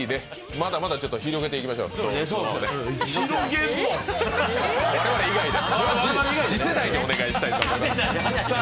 まだまだ広げていきましょう、我々以外で。